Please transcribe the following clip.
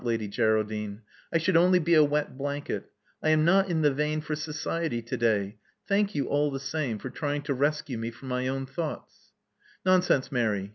Lady Geraldine. I should only be a wet blanket I am not in the vein for society to day. Thank you, all the same, for trying to rescue me from my own thoughts." Nonsense, Mary.